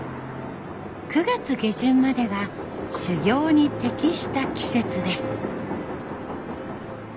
９月下旬までが修行に適した季節です。